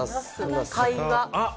会話。